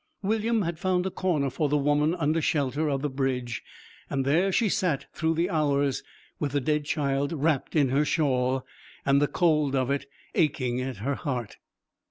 William had found a corner for the woman under shelter of the bridge, and there she sat through the hours with the dead child wrapped in her shawl, and the cold of it aching at her heart.